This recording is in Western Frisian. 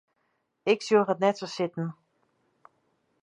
Ik sjoch it net sa sitten.